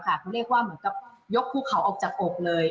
ก็เรียกว่ามันก็ยกพูดเข่าออกจากอกเลย